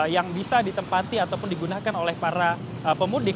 yang bisa ditempati ataupun digunakan oleh para pemudik